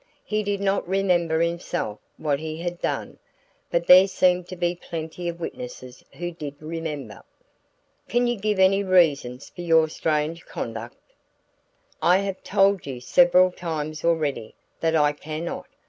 He did not remember himself what he had done, but there seemed to be plenty of witnesses who did remember. "Can you give any reasons for your strange conduct?" "I have told you several times already that I can not.